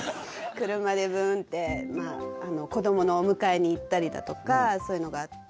車でブンって子どものお迎えに行ったりだとかそういうのがあって。